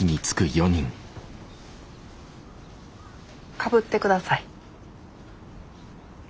かぶって下さい。